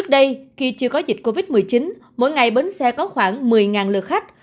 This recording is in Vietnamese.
sau dịch covid một mươi chín mỗi ngày bến xe có khoảng một mươi lượt khách